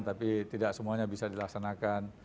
tapi tidak semuanya bisa dilaksanakan